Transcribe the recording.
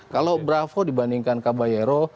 kalau brafful dibandingkan caballero